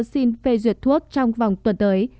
xin phê duyệt thuốc trong vòng tuần tới